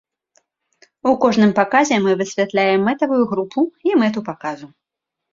У кожным паказе мы высвятляем мэтавую групу і мэту паказу.